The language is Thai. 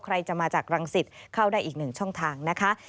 ใครจะมาจากรังสิตเข้าได้อีกหนึ่งช่องทางนะคะ